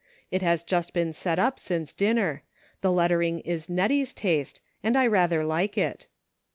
It has just been set up since dinner ; the lettering is Nettie's taste, and I rather like it."